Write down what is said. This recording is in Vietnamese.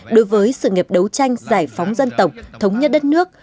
đối với sự nghiệp đấu tranh giải phóng dân tộc thống nhất đất nước